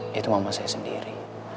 ya itu mama saya sendiri